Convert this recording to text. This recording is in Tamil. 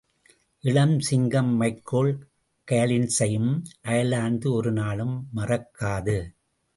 இளம் சிங்கம் மைக்கேல் காலின்ஸையும் அயர்லாந்து ஒரு நாளும் மறக்காது.